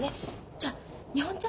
じゃ日本茶？